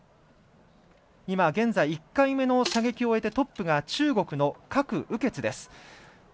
現在、１回目の射撃を終えてトップが中国の郭雨潔です。